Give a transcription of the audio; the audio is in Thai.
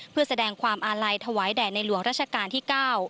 เพื่อแสดงความอาลัยถวายแด่ในหลวงราชการที่๙